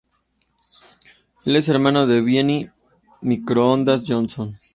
Es el hermano de Vinnie "Microondas" Johnson.